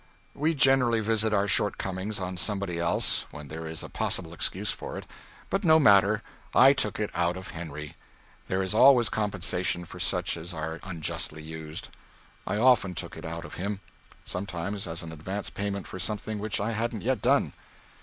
We generally visit our shortcomings on somebody else when there is a possible excuse for it but no matter, I took it out of Henry. There is always compensation for such as are unjustly used. I often took it out of him sometimes as an advance payment for something which I hadn't yet done.